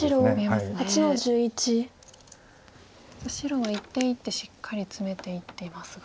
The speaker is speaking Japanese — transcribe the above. さあ白は一手一手しっかりツメていっていますが。